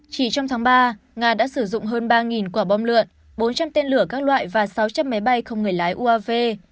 chỉ trong tháng ba nga đã sử dụng hơn ba quả bom lượn bốn trăm linh tên lửa các loại và sáu trăm linh máy bay không người lái uav